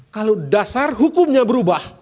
kalau dasar hukumnya berubah